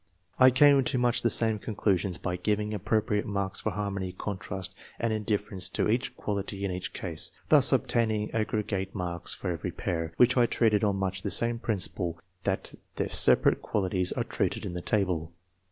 I came to much the same conclusions by giving appro priate marks for harmony, contrast, and indif ference to each quality in each case, thus obtaining aggregate marks for every pair, which I treated on much the same principle that the 30 ENGLISH MEN OF SCIENCE. [chap. separate qualities are treated in the table.